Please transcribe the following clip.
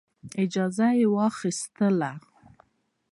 اجازه واخیستله.